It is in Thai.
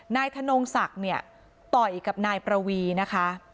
นายธนงศักดิ์เนี่ยต่อยกับนายประวีนะคะ